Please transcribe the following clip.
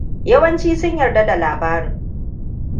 Yawanci sun yarda da labarin.